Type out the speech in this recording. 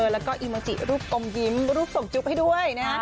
แล้วก็อีโมจิรูปอมยิ้มรูปส่งจุ๊บให้ด้วยนะ